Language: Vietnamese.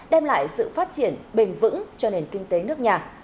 đem lại sự phát triển bền vững cho nền kinh tế nước nhà